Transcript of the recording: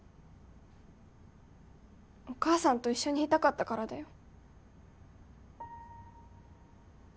お母さんと一緒にいたかったからだよ。